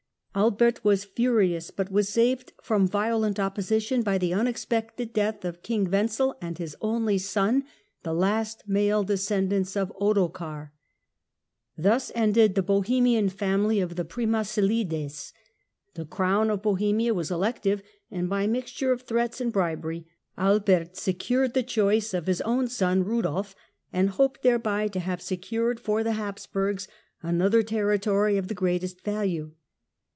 Albert was furious, but was saved from violent opposition by the unexpected death of King Wenzel and his only son, the last male descendants of Ottokar. Thus ended the Bohemian family of the Premy slides. The Crown of Bohemia was elective, and by aRii,^oifof mixture of threats and bribery, Albert secured the choice ^f^J^g^^Jj''^'' of his own son Eudolf, and hoped thereby to have s*^^^''™''' secured for the Habsburgs another territory of the greatest value.